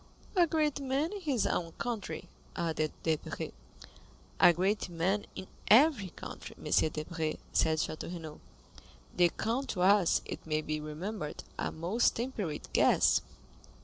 "A great man in his own country," added Debray. "A great man in every country, M. Debray," said Château Renaud. The count was, it may be remembered, a most temperate guest.